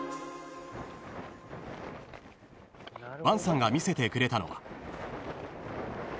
［ワンさんが見せてくれたのは］